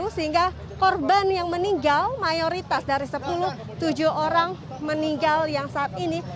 sehingga korban yang meninggal mayoritas dari sepuluh tujuh orang meninggal yang saat ini